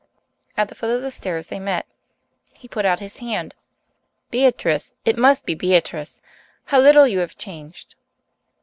At the foot of the stairs they met. He put out his hand. "Beatrice! It must be Beatrice! How little you have changed!"